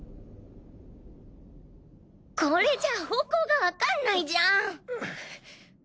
これじゃあ方向がわかんないじゃん。